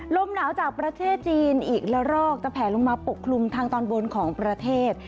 ลมหนาวจากประเทศจีนอีกละรอกจะแผลลงมาปกคลุมทางตอนบนของประเทศ